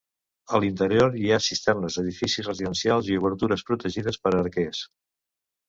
A l'interior i ha cisternes, edificis residencials i obertures protegides per a arquers.